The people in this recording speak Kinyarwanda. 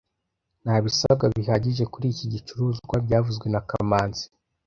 Nta bisabwa bihagije kuri iki gicuruzwa byavuzwe na kamanzi